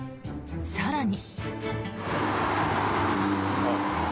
更に。